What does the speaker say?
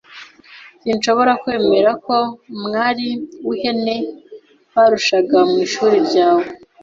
Sinshobora kwemera ko mwari w'ihene barushaga mu ishuri ryawe.